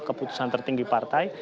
keputusan tertinggi partai